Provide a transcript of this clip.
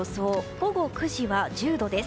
午後９時が１０度です。